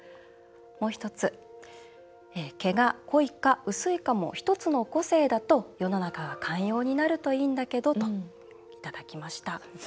もう一つ、「毛が濃いか薄いかも一つの個性だと世の中が寛容になるといいんだけど」といただきました。